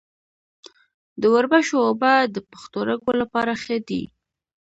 د وربشو اوبه د پښتورګو لپاره ښې دي.